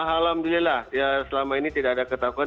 alhamdulillah ya selama ini tidak ada ketakutan